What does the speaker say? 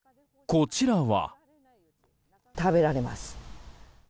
こちらは。